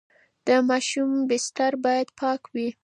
د ماشوم بستر باید پاک وي.